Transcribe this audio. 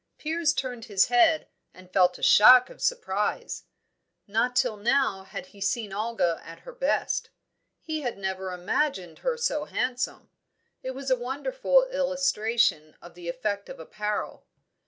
Piers turned his head, and felt a shock of surprise. Not till now had he seen Olga at her best; he had never imagined her so handsome; it was a wonderful illustration of the effect of apparel.